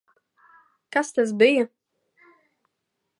Kas tas bija?